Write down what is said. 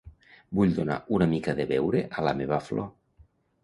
Vull donar una mica de beure a la meva flor.